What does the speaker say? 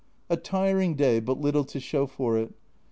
A tiring day, but little to show for it.